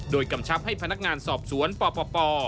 โดยกำชับให้พนักงานสอบสวนปป